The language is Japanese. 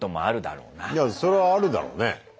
いやそれはあるだろうね。